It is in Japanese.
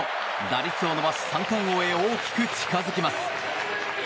打率を伸ばし三冠王へ大きく近づきます。